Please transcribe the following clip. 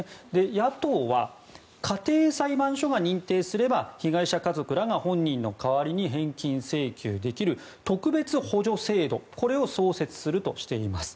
野党は、家庭裁判所が認定すれば被害者家族らが本人の代わりに返金請求できる特別補助制度を創設するとしています。